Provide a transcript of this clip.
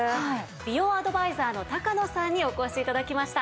美容アドバイザーの高野さんにお越し頂きました。